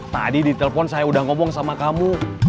tadi di telepon saya udah ngomong sama kamu